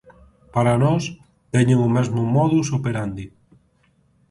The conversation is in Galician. Para nós, teñen o mesmo modus operandi.